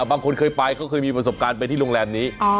บางคนเคยไปเขาเคยมีประสบการณ์ไปที่โรงแรมนี้